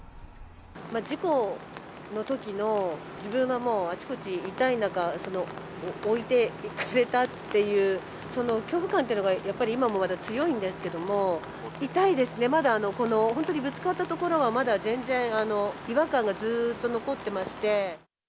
事故のときの自分はもう、あちこち痛い中、置いていかれたっていう、その恐怖感というのが、やっぱり今もまだ強いんですけれども、痛いですね、まだこの本当にぶつかったところは、まだ全然、違和感がずっと残ってまして。